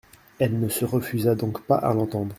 Elle ne se refusa donc pas à l’entendre.